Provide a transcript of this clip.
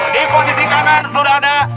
di posisi kanan sudah ada